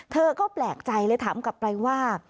เธอก็แปลกใจเลยถามกลับไปว่า